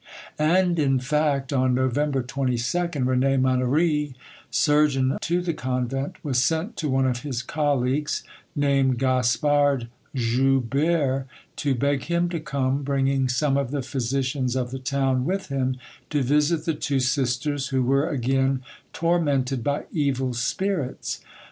And in fact, on November 22nd, Rene Mannouri, surgeon to the convent, was sent to one of his colleagues, named Gaspard Joubert, to beg him to come, bringing some of the physicians of the town with him, to visit the two sisters, who were again tormented by evil spirits.